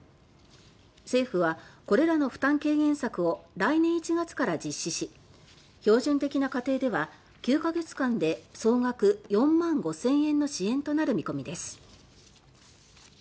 政府はこれらの負担軽減策を来年１月から実施し標準的な家庭では９か月間で総額４万５０００円の支援となる見込みです。